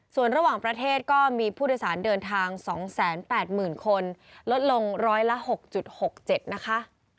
ส่วนระหว่างประเทศก็มีผู้โดยสารเดินทาง๒๘๐๐๐คนลดลงร้อยละ๖๖๗นะคะ